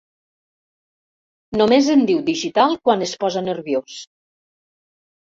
Només en diu digital quan es posa nerviós.